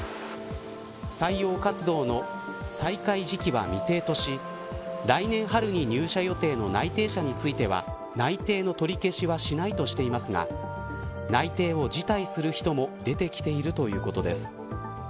採用活動の再開時期は未定とし来年春に入社予定の内定者については内定の取り消しはしないとしていますが内定を辞退する人も出てきているということです。